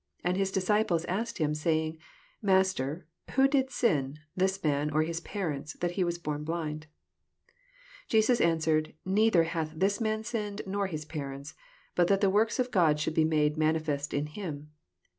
2 And his disciples asked him, say ing, Master, who did sin, this man, or his parents, that he was born blind ? 3 Jesus answered, Neither hath this man sinned, nor his parents: but that the works of God should be made manifest in him.